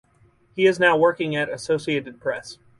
He is now working at Associated Press.